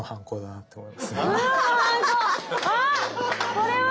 これは！